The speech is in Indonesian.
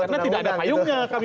karena tidak ada payungnya